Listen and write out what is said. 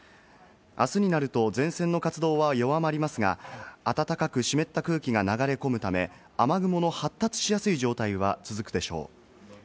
あすになると、前線の活動は弱まりますが、暖かく湿った空気が流れ込むため、雨雲の発達しやすい状態は続くでしょう。